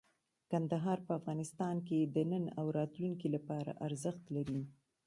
کندهار په افغانستان کې د نن او راتلونکي لپاره ارزښت لري.